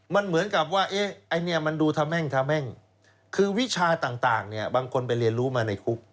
มันเหมือนกับว่าไอ้เนี่ยมันดูทะแม่งทะแม่งคือวิชาต่างเนี่ยบางคนไปเรียนรู้มาในคุก